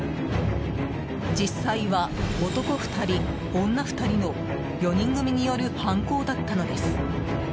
実際は男２人、女２人の４人組による犯行だったのです。